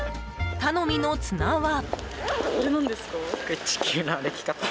頼みの綱は。